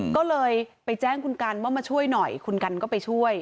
ก็เลยไปแจ้งคุณกันว่ามาช่วยหน่อยคุณกันก็ไปช่วย